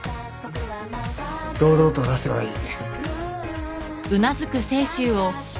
堂々と出せばいい。